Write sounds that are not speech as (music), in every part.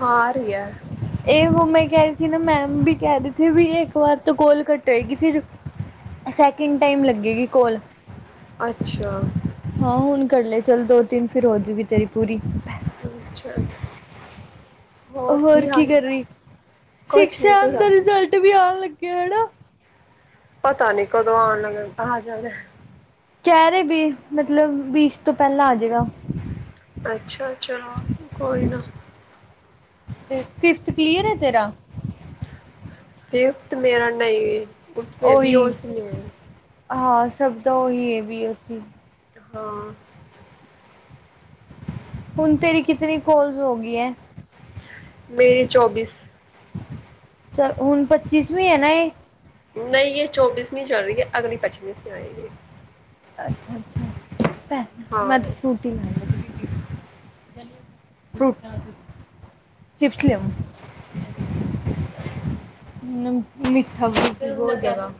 ਹਾ, ਆਂ ਰਹੀ ਐ। ਏ ਵੋ ਮੈਂ ਕਹਿ ਰਹੀ ਸੀ ਨਾ, ਮੈਮ ਵੀ ਕਹਿ ਰਹੀ ਥੀ ਬੀ, ਇੱਕ ਵਾਰ ਤਾਂ ਕੋਲ ਕੱਟੇਗੀ। ਫਿਰ ਸੈਕਿੰਡ ਟਾਈਮ ਲੱਗੇਗੀ ਕੋਲ ਅੱਛਾ। ਹਾਂ ਹੁਣ ਕਰ ਲਏ ਚੱਲ ਦੋ ਤਿੰਨ ਫੇਰ ਹੋਜੇਗੀ ਤੇਰੀ ਪੂਰੀ ਅੱਛਾ। ਹੋਰ ਕੀ ਕਰ ਰਹੀ ਕੁਛ ਸੀਕਸ ਨੀ ਤੂੰ ਦਾ ਦੱਸ ਰਿਜਲਟ ਵੀ ਆਣ ਲੱਗਿਆ ਹਨਾ ਪਤਾ ਨੀ ਕਦੋਂ ਆਣ ਲਗਾ ਆ ਜਾਵੇ ਕਹਿ ਰੇ ਵੀ ਮਤਲਬ ਬੀਸ ਤੋਂ ਪਹਿਲਾਂ ਆਜੇਗਾ। ਅੱਛਾ ਚਲੋ ਕੋਈ ਨਾ ਤੇ ਫਿਫੱਥ ਕਲੀਅਰ ਹੈ ਤੇਰਾ ਫਿਫਥ ਮੇਰਾ ਨਹੀਂ ਉਸੇ ਵੀ ਉਹੀ ਉਸ ਹਾਂ ਸਭ ਤਾਂ ਉਹੀ ਹੈ ਵੀ ਅਸੀਂ ਹਾਂ। ਹੁਣ ਤੇਰੀ ਕਿਤਨੀ ਕੋਲਸ ਹੋ ਗਈ ਹੈ। ਮੇਰੀ ਚੌਬੀਸ। ਚੱਲ ਹੁਣ ਪੱਚੀਸਵੀਂ ਹੈ ਨਾ ਏ- ਨਹੀਂ ਇਹ ਚੌਬੀਸਵੀ ਚੱਲ ਰਹੀ ਐ ਅਗਲੀ ਪੱਚੀਸਵੀ ਆਏਗੀ। ਅੱਛਾ-ਅੱਛਾਮੈਂ ਸਕੂਟੀ ਲੈ ਲਗੀ ਫ੍ਰਊਟ ਚਿਪਸ ਲਿਆਓ। ਨਮ ਮਿੱਠਾ ਬਹੁਤ ਜ਼ਿਆਦਾ।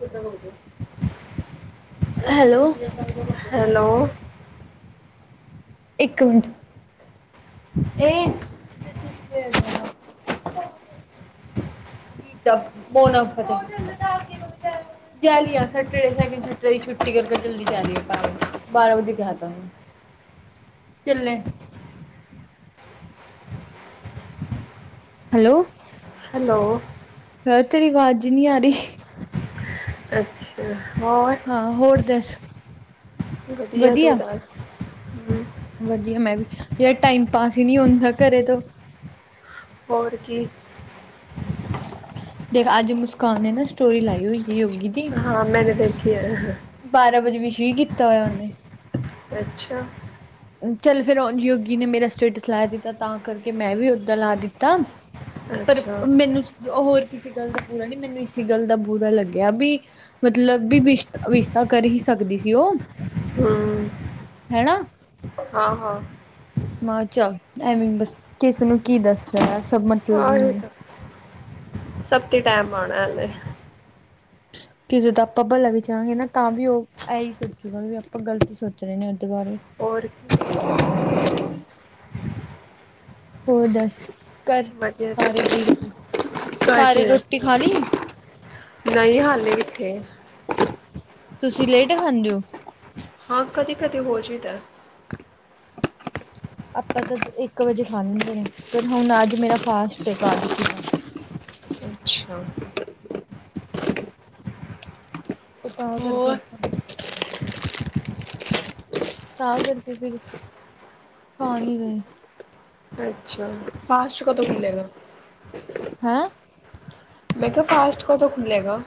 Hello hello. ਇੱਕ ਮਿੰਟ ਏ (unintelligible) (unintelligible) ਚੱਲੇ। ਹੈਲੋ ਹੈਲੋ ਯਾਰ ਤੇਰੀ ਵਾਜ ਈ ਨੀ ਆਰੀ। ਅੱਛਾ, ਹੋਰ ਹਾਂ, ਹੋਰ ਦੱਸ? ਵਦੀਆ, ਤੂੰ ਦਾੱਸ? ਵਦੀਆ ਮੈਂ ਵੀ, ਯਾਰ ਟਾਈਮ ਪਾਸ ਈ ਨੀ ਹੁੰਦਾ ਘਰੇ ਤੋ ਹੋਰ ਕੀ। ਦੇਖ ਆੱਜ ਮੁਸਕਾਨ ਨੇ ਨਾ ਸਟੋਰੀ ਲਾਈ ਹੋਈ ਤੀ ਯੋਗੀ ਦੀ। (unintelligible) ਬਾਰਾਂ ਵਜੇ ਵੀਸ਼ ਵੀ ਕੀਤਾ ਹੋਏਆ ਓਨੇ। ਅੱਛਾ ਚਲ ਫੇਰ ਹੋਨ, ਯੋਗੀ ਨੇ ਮੇਰਾ ਸਟੇਟਸ ਲਾ ਦਿੱਤਾ ਤਾਂ ਕਰਕੇ ਮੈਂ ਵੀ ਓਦਾ ਲਾ ਦਿੱਤਾ ਪਰ ਅੱਛਾ ਮੈਨੂੰ, ਹੋਰ ਕਿਸੀ ਗੱਲ ਦਾ ਬੁਰਾ ਨੀ ਮੈਨੂੰ ਇਸੀ ਗੱਲ ਦਾ ਬੁਰਾ ਲੱਗੇਆ ਬੀ ਮਤਲਬ ਬੀ ਵਿਸ਼, ਵਿਸ਼ ਤਾ ਕਰ ਹੀ ਸਕਦੀ ਸੀ ਓ। ਹੂੰ। ਹੈਣਾ? ਹਾਂ-ਹਾਂ। ਮੈਂ ਚਾਲ ਐਵੀਂ ਬੱਸ, ਕਿਸਨੂੰ ਕੀ ਦੱਸਾਂ ਸਬ ਹਾਂ ਏ ਤਾ, ਸਭਤੇ ਟੈਮ ਆਣਾ ਹਲੇ। ਕਿਸੇ ਦਾ ਆਪਾ ਭਲਾ ਵੀ ਚਾਂਹਾ ਗੇ ਨਾ ਤਾਂ ਵੀ ਓ ਆਈ ਸੋਚੂਗਾ, ਵੀ ਆਪਾਂ ਗਲਤ ਸੋਚ ਰੇ ਨੇ ਓਦੇ ਬਾਰੇ। ਹੋਰ ਕੀ। ਹੋਰ ਦੱਸ, ਘਰ ਵਧੀਆ ਤੂੰ ਸਾਰੇ ਦੱਸ ਠੀਕ ਨੇ ਸਾਰੇ ਰੋਟੀ ਖਾਲੀ? ਨਈ ਹਾਲੇ ਕਿੱਥੇ। ਤੁਸੀਂ ਲੇਟ ਖਾਂਦੇ ਓ? ਹਾਂ, ਕਦੀ-ਕਦੀ ਹੋ ਜੀ ਦੈ। (inaudible) ਆਪਾਂ ਤਾਂ ਇ ਇੱਕ ਵਜੇ ਖਾ ਲੈਂਦੇ ਨੇ, ਫਿਰ ਹੋਨ ਅੱਜ ਮੇਰਾ ਫਾਸਟ ਏ ਏਕਾਦਸੀ ਦਾ। ਅੱਛਾ। ਓ ਤਾਂ ਕਰਕੇ ਹੋਰ ਆਪਾਂ ਤੇ ਤਾਂ ਕਰਕੇ ਫਿਰ, ਖਾ ਨਈ ਰਏ। ਅੱਛਾ, ਫਾਸਟ ਕਦੋ ਖੁੱਲੇਗਾ? ਹੈਂ? ਮੈਂ ਕੇਆ, ਫਾਸਟ ਕਦੋ ਖੁੱਲੇਗਾ?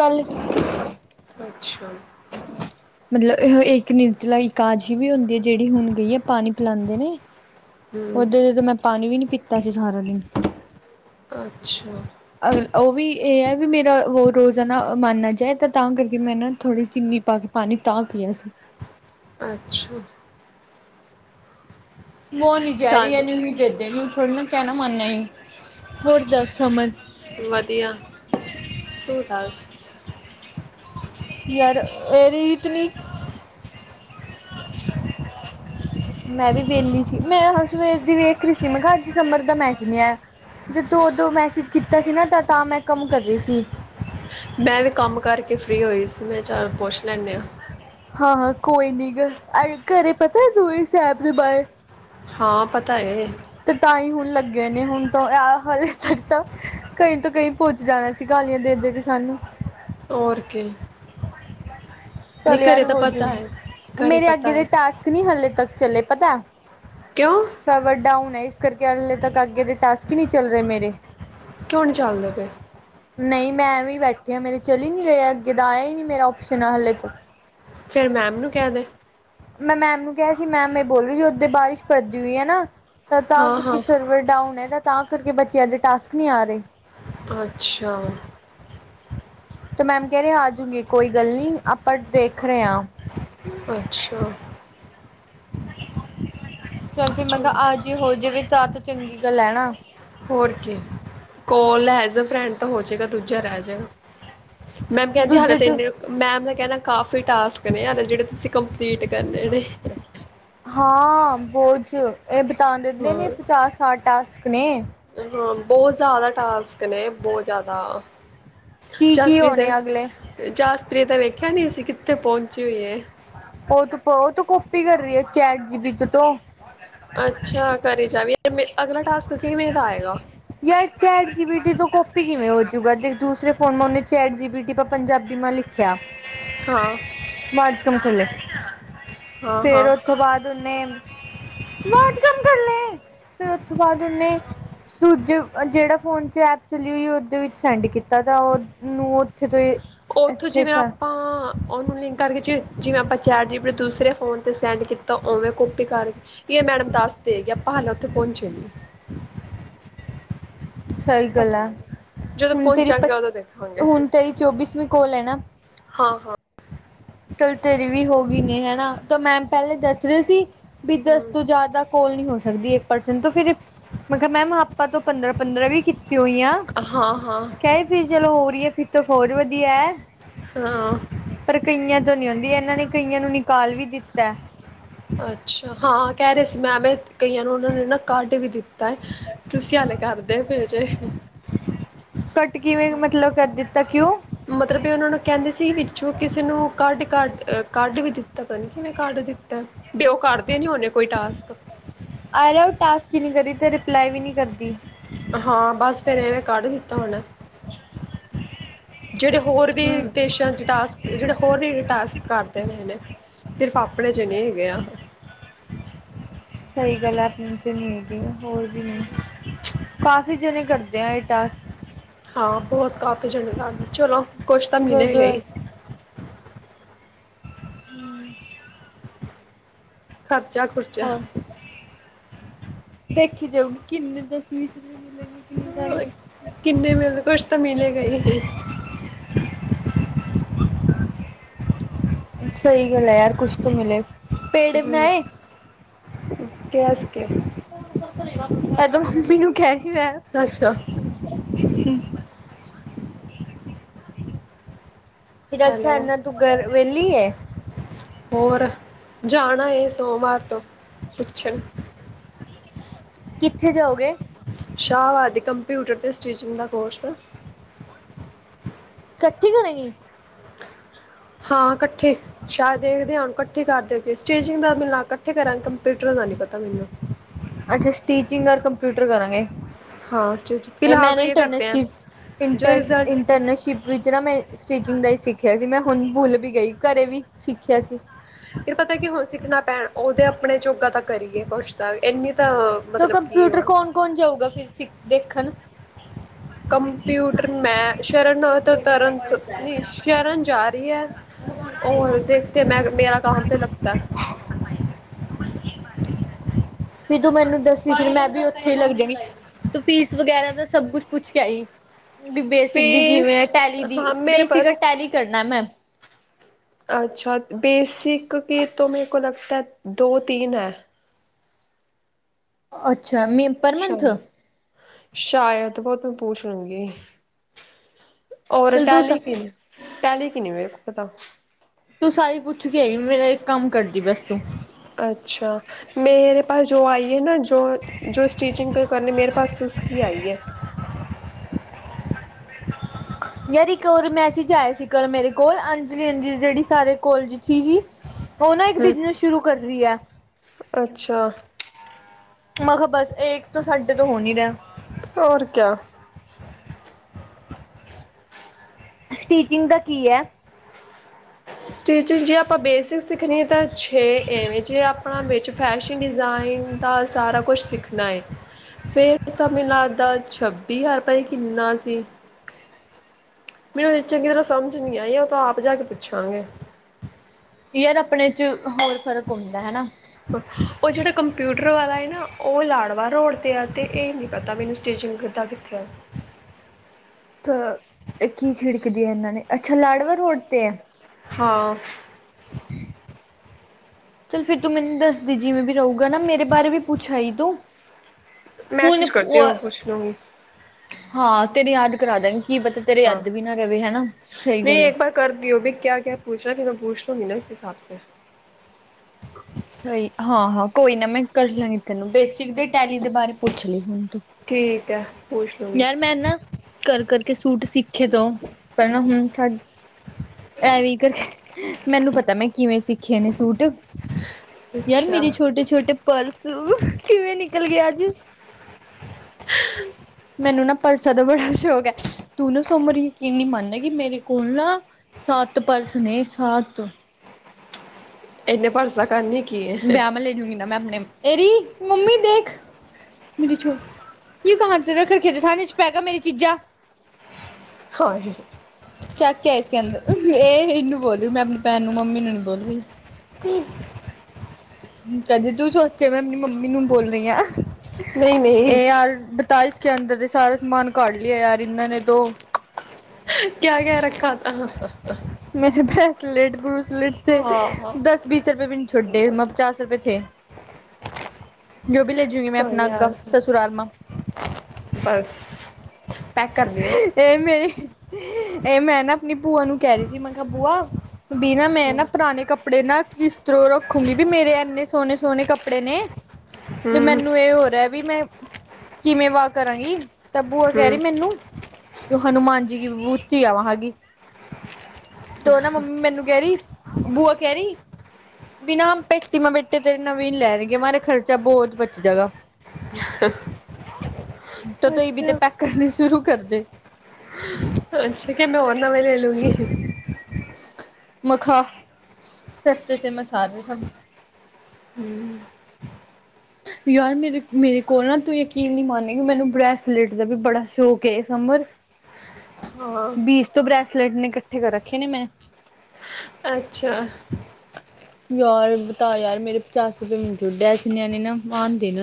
ਕੱਲ। ਅੱਛਾ। ਮਤਲਬ ਏਹੋ ਇੱਕ ਨਿਰਤਲਾ ਇਕਾਦਸੀ਼ ਵੀ ਹੋਂਦੀ ਏ, ਜੇੜੀ ਹੁਣ ਗਈ ਐ ਪਾਨੀ ਪਿਲਾੰਦੇ ਨੇ? ਹੂੰ, ਓਦੋਂ ਦੀ ਮੈਂ ਪਾਣੀ ਵੀ ਨੀ ਪਿੱਤਾ ਸੀ ਸਾਰਾ ਦਿਨ। ਅੱਛਾ। ਅਰ, ਓਹ ਵੀ ਏ ਐ ਵੀ ਮੇਰਾ ਵੋ ਰੋਜ਼ਾ ਨਾ ਮਾਨਾ ਜਾਏ, ਤੇ ਤਾਂ ਕਰਕੇ ਮੈਂ ਨਾ ਥੋੜੀ ਚਿੱਨੀ ਪਾ ਕੇ ਪਾਨੀ ਤਾਂ ਪੀਯਾ ਸੀ। ਅੱਛਾ। ਸਾਨੂੰ (unintelligible) ਵਦੀਆ, ਤੂੰ ਦਾੱਸ? (unintelligible) (inaudible) ਮੈਂ ਵੀ ਵੇਲੀ ਸੀ, ਮੈਂ ਅ ਸਵੇਰ ਦੀੇ ਵੇਖ ਰੀ ਸੀ ਮੈ ਕਾ ਆੱਜ ਸੀਮਰ ਦਾ ਮੈਂਸੀਜ ਨੀ ਆਯਾ। ਜਦੋਂ ਔਦੋਂ ਮੈਸੇਜ ਕੀਤਾ ਸੀ ਨਾ ਤਾ ਤਾਂ ਮੈਂ ਕੰਮ ਕਰ ਰੀ ਸੀ। ਮੈਂ ਵੀ ਕੰਮ ਕਰਕੇ ਫ੍ਰੀ ਹੋਈ ਸੀ ਮੈਂ ਚੱਲ ਪੁੱਛ ਲੈਣੇ ਆਂ। ਹਾਂ ਹਾਂ, ਕੋਈ ਨੀ ਗਾ ਆਜ ਘਰੇ ਪਤੈ ਦੂਈ ਸੈਬ ਦੇ ਬਾਏ ਹਾਂ, ਪਤਾ ਏ। ਤੇ ਤਾਂਈ ਹੁਣ ਲੱਗੇ ਹੋਏ ਨੇ, ਹੁਣ ਤੋ ਐ ਹਲੇ ਤੱਕ ਤਾਂ ਕਈ ਤੋਂ ਕਈ ਪੁੱਚ ਜਾਣਾ ਸ ਤੀ ਗਾਲੀਆਂ ਦੇ ਦੇ ਗੇ ਸਾਨੂੰ। ਔਰ ਕੀ। ਨਹੀਂ ਚੱਲ ਯਾਰ ਘਰੇ ਤਾਂ ਹੋਜੂ, ਪਤਾ ਹੈ ਘਰੇ ਮੇਰੇ ਪਤਾ ਅੱਗੇ ਦੇ ਹੈ ਟਾਸਕ ਨੀ ਹਲੇ ਤੱਕ ਚਲੇੇ, ਪਤਾ। ਕਿਓਂ? ਸਵਰ ਡਾਊਨ ਐ, ਇਸ ਕਰਕੇ ਹਲੇ ਤੱਕ ਅੱਗੇ ਦੇ ਟਾਸਕ ਈ ਨੀ ਚੱਲ ਰੇ ਮੇਰੇ। ਕਿਉਂ ਨੀ ਚਾਲਦੇ ਪਏ? ਨਹੀਂ, ਮੈਂ ਐਵੇਂ ਬੈਠੀ ਆ। ਮੇਰੇ ਚੱਲ ਈ ਨਹੀਂ ਰਹੇ ਅੱਗੇ ਦਾ ਆਯਾ ਈ ਨੀ ਮੇਰਾ ਓਪਸ਼ਨ ਆ ਹਾਲੇ ਤ ਫੇਰ ਮੈਮ ਨੂੰ ਕੈ ਦੇ। ਮੈਂ ਮੈਮ ਨੂੰ ਕਿਆ ਸੀ ਮੈਮ ਏ ਬੋਲਦੀ ਵੀ ਓਦੇ ਬਾਰਿਸ਼ ਪੜਦੀ ਹੂਈ ਐਨਾ। ਤ ਤਾਂ ਹਾਂ ਕਰਕੇ ਹਾਂ ਸਰਵਰ ਡਾਊਨ ਐ ਤਾਂ ਕਰਕੇ ਬੱਚਿਆਂ ਦੇ ਟਾਸਕ ਨੀ ਆ ਰੇ। ਅੱਛਾ। ਤੋ ਮੈਮ ਕੈ ਰੇ ਆਜੂਗੀ ਕੋਈ ਗੱਲ ਨੀ ਆਪਾਂ ਦੇਖ ਰਏ ਆਂ। ਅੱਛਾ। ਚੱਲ ਫਿਰ ਮੈਂ ਕੈ ਚਲ ਆਜੀ ਹੋ ਜਵੇ ਤਾਂ ਤੇ ਚੰਗੀ ਗੱਲ ਐ ਨਾ। ਹੋਰ ਕੀ, ਕੋਲ ਐਜ ਐ ਫਰੈਂਡ ਤਾਂ ਹੋ ਜੇਗਾ ਦੂਜਾ ਰੈ ਜਾਏਗਾ। ਮੈਮ ਕੈੰਦੀ ਹਾਲੇ ਦੂਜੇ ਤੇ ਚ ਇੰਨੇ ਮੈਮ ਦਾ ਕੈਣਾ ਕਾਫੀ ਟਾਸਕ ਨੇ, ਹਲੇ ਜੇੜੇ ਤੁਸੀਂ ਕੰਪਲੀਟ ਕਰਨੇ ਨੇੇ। ਹਾਂ, ਬੋਝ ਏ ਬਿਤਾਣ ਦਿੰਦੇ ਨੇ ਹੋਰ ਪਚਾਸ-ਸਾਠ ਟਾਸਕ ਨੇ। ਹਾਂ, ਬੌਤ ਜੈਦਾ ਟਾਸਕ ਨੇ ਬੌ ਜੈਦਾ। ਕੀ ਕੀ ਜਾਸਪ੍ਰੀਤ ਹੋਣੇ ਅਗਲੇ ਜਾਸਪ੍ਰੀਤ ਦਾ ਵੇਖਿਆ ਨੀ ਸੀਂ ਕਿੱਥੇ ਪਹੁੰਚੀ ਹੋਈ ਏ। ਓਹ ਤੇ ਪੋਤ ਕੌਪੀ ਕਰ ਰੀ ਐ ਚੈਟ ਜੀਬੀ ਤੇਤੋ। ਅੱਛਾ, ਕਰੀ ਜਾਵੀ ਏ, ਮੇ ਅਗਲਾ ਟਾਸਕ ਕਿਵੇਂ ਦਾ ਆਏਗਾ? ਯਾਰ ਚੈਟ ਜੀ ਬੀ ਟੀ ਤੋਂ ਕਾਫੀ ਕਿਵੇਂ ਹੋਜੂਗਾ ਦੂਸਰੇ ਫੋਨ ਮ ਉਹਨੇ ਚੈਟ ਜੀ ਬੀ ਟੀ ਪੰਜਾਬੀ ਮ ਲਿਖਿਆ ਹਾਂ ਬਾਜ਼ਕਮ ਖੱਲੇ ਹਾਂ ਹਾਂ ਫੇਰ ਥੋਂ ਬਾਅਦ ਨੇ ਆਜ਼ ਕੰਮ ਕਰ ਲਏ ਫੇਿਰ ਥੋਂ ਬਾਅਦ ਉਹਨੇ ਦੂਜੇ ਜਿਹੜਾ ਫੋਨ ਚ ਐਪ ਚਲੀ ਹੋਈ ਓਦੇ ਵਿੱਚ ਸੈਂਡ ਕੀਤਾ ਤਾਂ ਉਹਨੂੰ ਉਓਥੇ ਤੋਂ ਹੀ ਉੱਥੋਂ ਜਿਵੇਂ ਆਪਾਂ ਉਹਨੂੰ ਲਿੰਕ ਕਰਕੇ ਜਿਵੇਂ ਜਿਵੇਂ ਆਪਾਂ ਚੈਟ ਜੀਬੀ ਨੇ ਦੂਸਰੇ ਫੋਨ 'ਤੇ ਸੈਂਡ ਕੀਤਾ ਉਵੇਂ ਕਪੀ ਕਰਕੇ ਕੀ ਇਹ ਮੈਡਮ ਦੱਸ ਦੇ ਹੈ ਕਿ ਆਪਾਂ ਹਾਲਾਂ ਉੱਥੇ ਪਹੁੰਚੇ ਨੇ ਸਹੀ ਗੱਲ ਪਤਾ ਆ ਨਹੀਂ ਜਦੋਂ ਹੁਣ ਤੇਰੀ ਪ ਪਹੁੰਚਾਂਗੇ ਉਦੋਂ ਦੇਖਾਂਗੇ ਹੁਣ ਤੇਰੀ ਚੌਵੀਸਵੀਂ ਕੋਲ ਹੈ ਨਾ ਹਾਂ ਹਾਂ ਚਲ ਤੇਰੀ ਵੀ ਹੋ ਗਈ ਨੇ ਹਨਾ ਤਾਂ ਮੈਮ ਪਹਿਲੇ ਦੱਸ ਰਹੇ ਸੀ ਵੀ ਦਸ ਹਮ ਤੋਂ ਜ਼ਿਆਦਾ ਕੋਲ ਨ ਹੋ ਸਕਦੀ ਇੱਕ ਪਰਸਨ ਤੋਂ ਫਿਰ ਮਤਲਬ ਮੈਮ ਆਪਾਂ ਤੋਂ ਪੰਦਰਾਂ ਪੰਦਰਾਂ ਵੀ ਕੀਤੀ ਹੋਈ ਆ ਹਾਂ ਹਾਂ ਕ ਫਰ ਚਲੋ ਹੋ ਰਹੀ ਹੈ ਫਿਰ ਤੋਂ ਫੌਜ ਵਧੀਆ ਹੈ ਹਾਂ ਪਰ ਕਈਆਂ ਤੋਂ ਨੀ ਆਉਂਦੀ ਇਹਨਾਂ ਨੇ ਕਈਆਂ ਨੂੰ ਨਿਕਾਲ ਵੀ ਦਿੱਤਾ ਅੱਛਾ, ਹਾਂ ਕੈ ਰੇ ਸੀ ਮੈਂਵੇ ਕਈਆਂ ਨੂੰ ਉਨਾਂ ਨੇ ਨਾ ਕਾਢ ਵੀ ਦਿੱਤਾ ਏ। ਤੁਸੀਂ ਹਾਲੇ ਕਰਦੇ ਪਏ ਜੇ। ਕੱਟ ਕਿਵੇਂ ਮਤਲਬ ਕਰ ਦਿੱਤਾ ਕਿਉਂ? ਮਤਲਬ ਬਈ ਉਨਾਂ ਨੂੰ ਕੈਂਦੀ ਸੀ ਵਿੱਚੋਂ ਕਿਸੇ ਨੂੰ ਕੱਢ ਕਡ ਕੱਢ ਵੀ ਦਿੱਤੈ ਪਤਾ ਨੀ ਕਿਵੇਂ ਕਡ ਦਿੱਤੈ। ਡ ਉਹ ਕਰਦੇ ਨੀ ਹਦੇ ਕੋਈ ਟਾਸਕ ਆਹਾ ਉਹ ਟਾਸਕ ਨੀ ਕਰੀ ਤੇ ਰਿਪਲਾਈ ਵੀ ਨੀ ਕਰਦੀ ਹਾਂ ਬਸ ਫੇਰ ਇਵੇਂ ਕੱਢ ਦਿੱਤਾ ਹੋਣਾ। ਜਿਹੜੇ ਹੋਰ ਵਿ ਹਮ ਵਿਦੇਸ਼ਾਂ ਚ ਟਾਸਕ ਜਿਹੜੇ ਹੋਰ ਵੀ ਟਾਸਕ ਕਰਦੇ ਹੋਏ ਨੇ, ਸਿਰਫ ਆਪਣੇ ਚ ਨੀ ਹੈਗੇ ਆ। ਸਹੀ ਗੱਲ ਆਪਣੀ ਚ ਨਹੀਂ ਹੈਗੀ, ਹੋਰ ਵੀ ਨਹੀਂ ਕਾਫੀ ਜਣੇ ਕਰਦੇ ਆ ਟਾਸਕ ਹਾਂ, ਬਹੁਤ ਕਾਫੀ ਝੰਡੇ ਗਾੜ ਤੇ ਚਲੋ ਕੁਛ ਤਾਂ ਮਿਲੇਗਾ ਜਦੋਂ ਈ। ਹੂੰ। ਖਰਚਾ-ਖੁੁਰਚਾ ਹੋਰ ਦੇਖੀ ਜਾਊਗੀ, ਕਿੰਨੇ ਦਸ ਵੀਸ ਰੁਪਏ ਮਿਲੇਗੀ। ਕਿ ਨਹੀਂ ਸਾਨੂੰ ਕਿੰਨੇ ਮਿਲਦੇ, ਕੁਛ ਤਾਂ ਮਿਲੇ ਗਏ ਹੀ। ਸਹੀ ਗੱਲ ਐ, ਯਾਰ ਕੁਛ ਤੋਂ ਮਿਲੇ। ਪੇੜੇ ਹਮ, ਬਣਾਏ ਕਿਹਾ ਸੀ। ਇਹ ਤਾਂ ਮੰਮੀ ਨੂੰ ਕਹਿਣੀ ਆਇਆ। ਅੱਛਾ (unintelligible) ਫਿਰ ਅੱਛਾ ਹੈਲੋ। ਇਨਾ ਤੂੰ ਘਰ ਵੇਲੀ ਏ। ਹੋਰ ਜਾਣਾ ਏ ਸੋਮਵਾਰ ਤੋਂ, ਪੁੱਛਣ ਕਿੱਥੇ ਜਾਓਗੇ‌। ਸ਼ਾਹਬਾਦੀ ਕੰਪਿਊਟਰ ਤੇ ਸਟੀਚਿੰਗ ਦਾ ਕੋਰਸ। ਇਕੱਠੀ ਕਰੇਗੀ। ਹਾਂ ਇਕੱਠੇ ਸ਼ਾਇਦ ਦੇਖਦੇ ਹਾਂ ਹੁਣ ਇਕੱਠੇ ਕਰਦੇ ਅਤੇ ਸਟੇਜਿੰਗ ਦਾ ਮੈਨੂੰ ਲੱਗਦਾ ਇਕੱਠੇ ਕਰਾਂਗੇ, ਕੰਪਿਊਟਰ ਦਾ ਨਹੀਂ ਪਤਾ ਮੈਨੂੰ ਅੱਛਾ, ਸਟੀਚਿੰਗ ਔਰ ਕੰਪਿਊਟਰ ਕਰਾਂਗੇ। ਹਾਂ ਸਟਿਚ ਇਹ ਫਿਲਹਾਲ ਮੈਨ ਇੰਟਰਨਸ਼ਿ ਇੰਟਰਨਸ਼ਿਪ ਵਿੱਚ ਨਾ ਮੈਂ ਸਟਿਚਿੰਗ ਦਾ ਹੀ ਸਿੱਖਿਆ ਸੀ। ਮੈਂ ਹੁਣ ਭੁੱਲ ਵੀ ਗਈ, ਘਰੇ ਵੀ ਸਿੱਖਿਆ ਸੀ। ਫੇਰ ਪਤਾ ਕੀ ਹੁਣ ਸਿੱਖਣਾ ਪੈਣ, ਉਹਦੇ ਆਪਣੇ ਜੋਗਾ ਤਾਂ ਕਰੀਏ ਕੁਛ ਤਾਂ ਇੰਨੀ ਤਾਂ ਤੇ ਮਤਲਬ ਕੀ ਕੰਪਿਊਟਰ ਉਹ ਕੌਣ ਕੌਣ ਜਾਊਗਾ ਫੇਰ ਸਿਖ ਦੇਖਣ ਕੰਪਿਊਟਰ ਮੈਂ ਸ਼ਰਨ ਓਰ ਤੋਂ ਤਰਨ ਨਈ ਸ਼ਰਨ ਜਾਰੀ ਐ। ਔਰ ਦੇਖਤੇ ਮੈਂ ਮੇਰਾ ਕਾਹਾ ਪੇ ਲਗਤੇ। ਫੇਰ ਤੂੰ ਮੈਨੂੰ ਦੱਸੀ ਫਿਰ ਮੈਂ ਵੀ ਉੱਥੇ ਲੱਗ ਜਾਗੀ, ਤੂੰ ਫੀਸ ਵਗੈਰਾ ਦਾ ਸਭ ਕੁਛ ਪੁੱਛ ਕੇ ਆਈ, ਵੀ ਬੇਸਿਕ ਦੀ ਕਿਵੇਂ ਐ, ਟੈਲੀ ਦੀ ਬੇਸਿਕ ਆ ਟੈਲੀ ਕਰਨਾ ਮੈਂ। ਅੱਛਾ, ਬੇਸਿਕ ਕੀ ਤੋਂ ਮੇਰੇ ਕੋ ਲਗਤਾ ਦੋ-ਤੀਨ ਐ। ਅੱਛਾ ਮੀ ਪਰ ਮੰਥ। ਸ਼ਾਇਦ, ਵੋ ਤੋ ਮੈਂ ਪੁਛਲੁਗੀ। ਓਰ ਤੂੰ ਟੈਲੀ ਕੀ, ਟੈਲੀ ਕੀ ਨੀ ਮੇਰੇ ਕੋ ਪਤਾ। ਤੂੰ ਸਾਰੀ ਪੁੱਛ ਕੇ ਆਈ, ਮੇਰਾ ਇੱਕ ਕੰਮ ਕਰਦੀ ਬਸ ਤੂੰ। ਅੱਛਾ। ਮੇਰੇ ਪਾਸ ਜੋ ਆਈ ਐ ਨਾ, ਜੋ ਸਟੀਿਚਿੰਗ ਕਰਨੀ ਮੇਰੇ ਪਾਸ ਉਸ ਕੀ ਆਈ ਐ। ਯਾਰ ਇੱਕ ਓਰ ਮੈਸੇਜ ਆਏ ਸੀ ਕੱਲ ਮੇਰੇ ਕੋਲ ਅੰਜਲੀ-ਅੰਜਲੀ ਜੇੜੀ ਸਾਰੇ ਕੋਲਜ ਚ ਹੀ। ਓਹ ਨਾ ਇੱਕ ਬਿਜਨਸ ਸ਼ੁਰੂ ਕਰ ਰੀ ਐ। ਅੱਛਾ। ਮੈ ਕਿਹਾ ਬਸ ਏਕ ਤਾਂ ਸਾਡੇ ਤੋਂ ਹੋ ਨੀ ਰਿਆ। ਔਰ ਕਿਆ। ਸਟੀਚਿੰਗ ਦਾ ਕੀ ਐ? ਸਟਿਚਿੰਗ ਜੇ ਆਪਾਂ ਬੇਸਿਕ ਸਿੱਖਣੀ ਹੈ ਤਾਂ ਛੇ ਐਵੇਂ ਜੇ ਆਪਣਾ ਵਿੱਚ ਫੈਸ਼ਨ ਡਿਜ਼ਾਇਨ ਦਾ ਸਾਰਾ ਕੁਛ ਸਿੱਖਣਾ ਐ। ਫੇਰ ਤਾਂ ਮੈਨੂੰੱ ਲੱਗਦਾ, ਛੱਬੀ ਹਜ਼ਾਰ ਰੁਪਏ ਪਤਾ ਨੀ ਕਿੰਨਾ ਸੀ? ਮੈਨੂੰ ਚੰਗੀ ਤਰ੍ਹਾਂ ਸਮਝ ਨੀ ਆਈ ਆ ਉਹ ਤਾਂ ਆਪ ਜਾ ਕੇ ਪੁੱਛਾਂਗੇ। ਯਾਰ ਆਪਣੇ ਚ ਹੋਰ ਫ਼ਰਕ ਹੁੰਦਾ ਹੈਨਾ। ਓ ਜੇੜਾ ਕੰਪਿਊਟਰ ਵਾਲਾ ਏ ਨਾ, ਓ ਲਾਡਵਾ ਰੋੜ ਤੇ ਆ ਤੇ ਏ ਨੀ ਪਤਾ ਮੈਨੂੰ ਸਟੀਚਿੰਗ ਤਾ ਕਿੱਥੇ ਆ। ਥ ਏ ਕੀ ਛਿੜਕਦੀ ਐਨਾਂ ਨੇ, ਅੱਛਾ ਲਾਡਵਾ ਰੋਡ ਤੇ ਐ। ਹਾਂ। (unintelligible) ਚੱਲ ਫਿਰ ਤੂੰ ਮੈਨੂੰ ਦੱਸਦੀ ਜਿਵੇਂ ਵੀ ਰਊਗਾ ਨਾ, ਮੇਰੇ ਬਾਰੇ ਵੀ ਪੁੱਛ ਆਈ ਤੂੰ। ਹੁਣ ਮੈਸੇਜ ਕਰ ਓਏ, ਦਿਓ ਪੁੱਛ ਲੂੰਗੀ ਹਾਂ ਤੇਰੇ ਯਾਦ ਕਰਦਾਂਗੀ, ਕੀ ਪਤਾ ਤੇਰੇ ਅੱਧ ਵੀ ਨਾ ਰਵੇ ਹੈਨਾ, ਸਈ ਗੱਲ ਐ। ਕਰ ਦਿਓ ਵੀ ਕਿਆ ਕਿਆ ਪੂਛਣਾ, ਕਿ ਮੈਂ ਪੁੱਛ ਲੂੰਗੀ ਨਾ ਉਸ ਹਿਸਾਬ ਸੇ। ਸਈ ਹਾਂ-ਹਾਂ ਕੋਈ ਨਾ ਮੈਂ ਕਰ ਲਾਂਗੀ ਤੈਨੂੰ, ਬੇਸਿਕ ਦੀ ਟੈਲੀ ਦੇ ਬਾਰੇ ਪੁੱਛਲੀ, ਹੁਣ ਤੂੰ ਠੀਕ ਐ। ਯਾਰ ਮੈਂ ਨਾ ਕਰ ਕਰਕੇ ਸੂਟ ਸਿੱਖੇ ਤੋਂ, ਪਰ ਨਾ ਹੁਣ ਸਾ ਐਵੀ ਕਰ, ਮੈਨੂੰ ਪਤਾ ਮੈਂ ਕਿਵੇਂ ਸਿੱਖੇ ਨੇ ਸੂਟ। ਯਾਰ ਅੱਛਾ ਮੇਰੇ ਛੋਟੇ-ਛੋਟੇ ਪਰਸ, ਕਿਵੇਂ ਨਿਕਲਗੇ ਅੱਜ। ਮੈਨੂੰ ਨਾ ਪਰਸਾਂ ਦਾ ਬੜਾ ਸ਼ੌਕ ਐ, ਤੂੰ ਨਾ ਸਮਰ ਯਕੀਨ ਨੀ ਮੰਨੇਗੀ, ਮੇਰੇ ਕੋਲ ਨਾ ਸੱਤ ਪਰਸ ਨੇ, ਸੱਤ। ਏਨੇ ਪਰਸ ਦਾ ਕਰਨਾ ਕੀ ਐ? ਵਿਆਹ ਮੇ ਲੈਜੂਗੀ ਨਾ ਮੈਂ ਆਪਣੇ, ਏਰੀ ਮੰਮੀ ਦੇਖ। (unintelligible) ਤੇ ਕਹਾਂ ਤੇ ਰਖ ਰੱਖੀਆ ਥਨੇ ਛਪਾ ਕਾ ਮੇਰੀ ਚੀਜ਼ਾਂ। ਹਾ ਹੇ। ਕਿਆ-ਕਿਆ ਇਸਕੇ ਅੰਦਰ, ਏ ਇਨੂੰ ਬੋਲ ਰੀ ਮੈਂ ਆਪਣੀ ਭੈਣ ਨੂੰ ਮੰਮੀ ਨੂੰ ਨੀ ਬੋਲਰੀ। ਹੂ ਕਦੇ ਤੂੰ ਸੋਚੇ, ਮੈਂ ਆਪਣੀ ਮੰਮੀ ਨੂੰ ਬੋਲਨੀ ਆਂ। ਨਹੀਂ ਨਹੀਂ ਏ ਯਾਰ ਬਤਾ ਇ ਕੇ ਅੰਦਰ ਦੇ ਸਾਰਾ ਸਮਾਨ ਕਾਢ ਲਿਆ ਯਾਰ ਇਨਾਂ ਨੇ ਤੋਂ। ਕਿਆ-ਕਿਆ ਰੱਖਾ ਥਾ? ਮੇਰੇ ਬ੍ਰੈਸਲੇਟ ਬਰੂਸਲੇਟ ਤੇ ਹਾਂ ਹਾਂ ਦਸ ਬੀਸ ਰੁਪਏ ਵੀ ਨੀ ਛੱਡੇ ਇਮਾ। (unintelligible) ਪਚਾਸ ਰੁਪਏ ਥੇ ਜੋ ਵੀ ਲੈਜੂਂਗੀ ਮੈਂ ਕੋਈ ਆਪਣਾ ਅੱਗਾ ਯਾਰ ਸਸੁਰਾਲ ਮਾ। ਬਸ। ਪੈਕ ਕਰ ਦਿਓ ਏ ਮੈਂ, ਏ ਮੈਂ ਨਾ ਆਪਣੀ ਭੂਆ ਨੂੰ ਕੈ ਰੀ ਥੀ, ਮੈਂ ਕੇਹਾ ਬੂਆ ਬੀ ਨਾ, ਮੈਂ ਹੂੰ ਨਾ ਪੁਰਾਣੇ ਕੱਪ ਕਪੜੇ ਨਾ ਕਿਸ ਤਰੋਂ ਰੱਖੂਗੀ, ਵੀ ਮੇਰੇ ਐਨੇ ਸੋਣੇ ਸੋਣੇ ਕੱਪੜੇ ਨੇ। ਵੀ ਮੈਨੂੰ ਏਹ ਹੋ ਰਿਹਾ ਵੀ, ਮੈਂ ਕਿਵੇਂ ਵਾ ਕਰਾਂਗੀ। ਤਾ ਬੂਆ ਕਹਿ ਰਹੀ ਹੂੰ ਮੈਨੂੰ, ਤੂ ਹਨੂੰਮਾਨ ਜੀ ਕੀ ਮੂਰਤੀ ਐ ਵਹਾਂ ਕੀ। ਤੋ ਨਾ ਮੰਮੀ ਮੈਨੂੰ ਕਹਿ ਰੀ, ਬੂਆ ਕਹਿ ਰੀ ਬਿ ਨਾਂ ਪੇਟੀ ਮ ਬੇਟੇ ਤੇ ਨਵੀਂ ਲੈਣਗੇ ਮਾਰਾ ਖਰਚਾ ਬੋਤ ਬਚ ਜਾਗਾ। (unintelligible) (unintelligible) ਤੋ ਤੁ ਈਬ ਤੇ ਅੱਛਾ ਪੈਕ ਕਰਨੇ ਸ਼ੁਰੂ ਕਰਦੇ। ਅੱਛਾ ਕਿ, ਮੈਂ ਹੋਰ ਨਵੇਂ ਲੇ ਲੂੰਗੀ। ਮਖਾ ਸਸਤੇ ਸੇ ਮਸਾਲੇ ਸਭ। ਹੂੰ। ਯਾਰ ਮੇਰੇ ਮੇਰੇ ਕੋਲ ਨਾ ਤੂੰ ਯਕੀਨ ਨੀ ਮਾਨੇਗੀ, ਕਿ ਮੈਨੂੰ ਬ੍ਰੈਸਲੇਟ ਦਾ ਵੀ ਬੜਾ ਸ਼ੌਕ ਏ, ਸਮਰ। ਹਾਂ ਬੀਸ ਤੋ ਬ੍ਰੈਸਲੇਟ ਨੇ ਇਕੱਠੇ ਕਰ ਰੱਖੇ ਨੇ ਮੈਂ। ਅੱਛਾ। ਯਾਰ ਬਤਾ ਯਾਰ ਮੇਰੇ ਪਚਾਸ ਰੁਪਏ ਬੀ ਨੀ ਛੋੜੇ, ਐਸੇ ਨਿਆਣੇ ਨਾ ਆਣਦੇ ਨਾ।